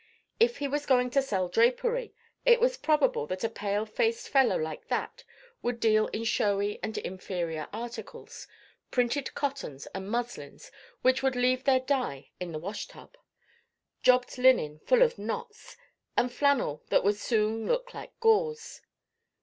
If he was going to sell drapery, it was probable that a pale faced fellow like that would deal in showy and inferior articles—printed cottons and muslins which would leave their dye in the wash tub, jobbed linen full of knots, and flannel that would soon look like gauze.